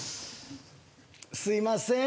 すいません。